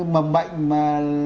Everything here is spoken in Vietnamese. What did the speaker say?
mầm bệnh mà